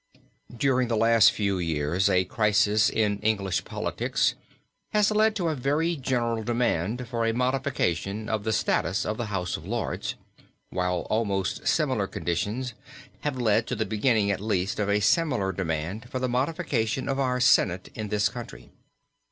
During the last few years a crisis in English politics has led to a very general demand for a modification of the status of the House of Lords, while almost similar conditions have led to the beginning at least of a similar demand for the modification of our Senate in this country.